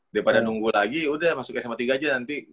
daripada nunggu lagi udah masuk sma tiga aja nanti